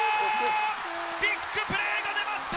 ビッグプレーが出ました。